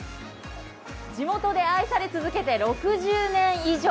地元で愛され続けて６０年以上。